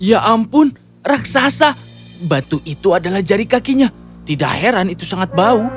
ya ampun raksasa batu itu adalah jari kakinya tidak heran itu sangat bau